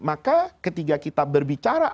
maka ketika kita berbicara